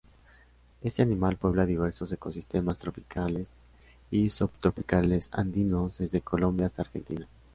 Este animal puebla diversos ecosistemas tropicales y subtropicales andinos desde Colombia hasta Argentina.